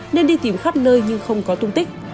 nên đi tìm khắp nơi nhưng không có tung tích